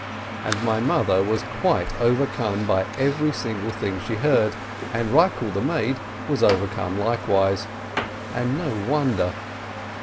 And my mother was quite overcome by every single thing she heard, and Eikel the maid was over come likewise. And no wonder!